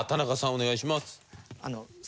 お願いします。